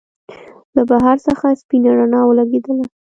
له بهر څخه سپينه رڼا ولګېدله.